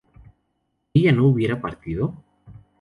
¿ella no hubiera partido?